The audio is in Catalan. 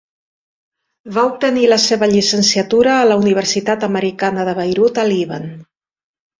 Va obtenir la seva llicenciatura a la Universitat Americana de Beirut a Líban.